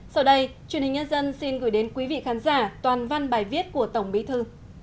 sau đây truyền hình nhân dân xin gửi đến quý vị khán giả toàn văn bài viết của tổng bí thư